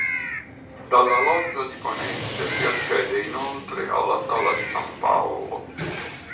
Dalla Loggia di Ponente si accede inoltre alla Sala di San Paolo.